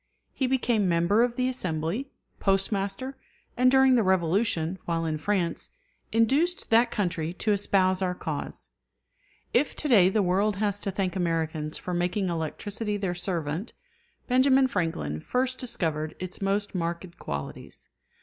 He became member of the Assembly, Postmaster, and during the Revolution, while in France, induced that country to espouse our cause. If to day the world has to thank Americans for making electricity their servant, Benjamin Franklin first discovered its most marked qualities.